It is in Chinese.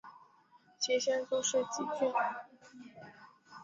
其先祖是汲郡。